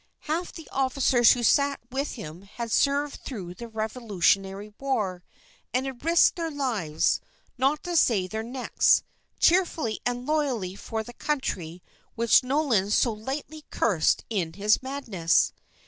Half the officers who sat with him had served through the Revolutionary War, and had risked their lives, not to say their necks, cheerfully and loyally for the country which Nolan so lightly cursed in his madness.